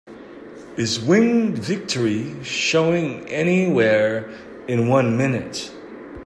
Is Winged Victory showing anywhere in one minute?